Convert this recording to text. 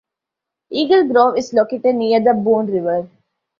Eagle Grove is located near the Boone River.